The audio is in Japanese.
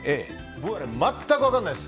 僕は全く分からないです。